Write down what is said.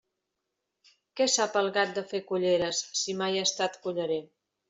Què sap el gat de fer culleres, si mai ha estat cullerer?